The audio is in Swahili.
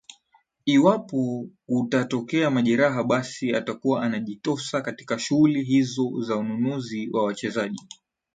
iwapo kutatokea majeraha basi atakuwa anajitosa katika shughuli hizo za ununuzi wa wachezaji